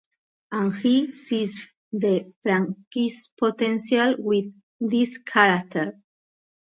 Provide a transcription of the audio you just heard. And he sees the franchise potential with this character.